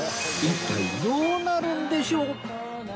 一体どうなるんでしょう？